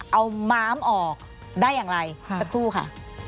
เอาม้ามออกได้อย่างไรสักครู่ค่ะ